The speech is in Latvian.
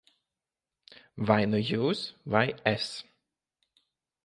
Vai nu jūs, vai es.